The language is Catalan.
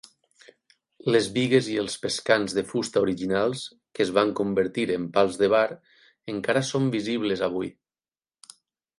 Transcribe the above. Les bigues i els pescants de fusta originals, que es van convertir en pals de bar, encara són visibles avui.